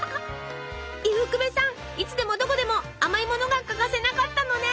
伊福部さんいつでもどこでも甘いものが欠かせなかったのね！